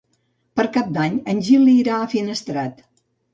Per Cap d'Any en Gil irà a Finestrat.